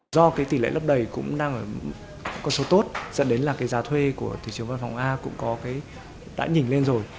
do cái tỷ lệ lấp đầy cũng đang ở con số tốt dẫn đến là cái giá thuê của thị trường văn phòng a cũng có cái đã nhìn lên rồi